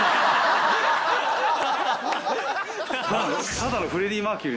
ただのフレディ・マーキュリー。